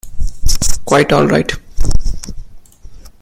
Quite all right.